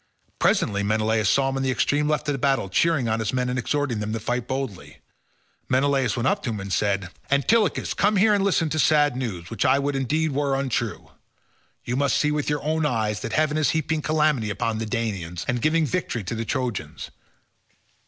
Presently Menelaus saw him on the extreme left of the battle cheering on his men and exhorting them to fight boldly. Menelaus went up to him and said, "Antilochus, come here and listen to sad news, which I would indeed were untrue. You must see with your own eyes that heaven is heaping calamity upon the Danaans, and giving victory to the Trojans.